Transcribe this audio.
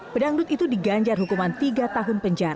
pedangdut itu diganjar hukuman tiga tahun penjara